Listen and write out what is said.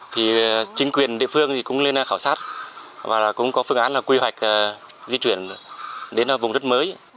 thì chính quyền địa phương thì cũng lên khảo sát và cũng có phương án là quy hoạch di chuyển đến vùng đất mới